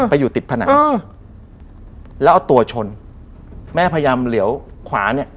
ไปอยู่ติดผนังแล้วเอาตัวชนแม่พยายามเหลียวขวาเนี่ย